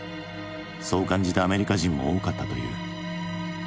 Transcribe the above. そう感じたアメリカ人も多かったという。